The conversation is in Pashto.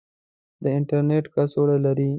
د انترنیټ کڅوړه لرئ؟